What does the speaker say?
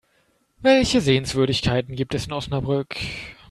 Welche Sehenswürdigkeiten gibt es in Osnabrück?